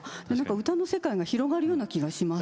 歌の世界が広がるような気がします。